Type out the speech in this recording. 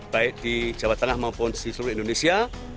baik di jawa tengah maupun di seluruh indonesia